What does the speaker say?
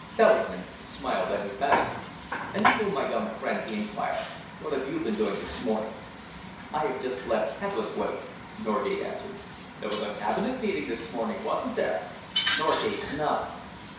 Selingman smiled enigmatically. "And you, my young friend," he enquired, "what have you been doing this morning?" "I have just left Hebblethwaite," Norgate answered. "There was a Cabinet Council this morning, wasn't there?" Norgate nodded.